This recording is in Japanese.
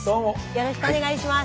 よろしくお願いします。